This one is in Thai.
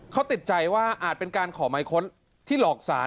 เขาติดใจว่าอาจเป็นการขอหมายค้นที่หลอกสาร